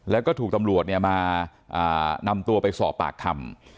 แล้วก็ถูกตำรวจมานำตัวไปสอบปากคำ